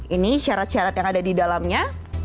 ini syarat syarat yang ada di dalamnya